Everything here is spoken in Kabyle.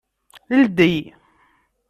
Ldey!